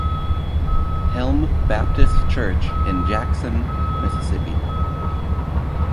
Helm Baptist Church, in Jackson, Mississippi.